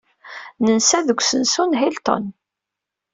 Nensa deg usensu n Hilton.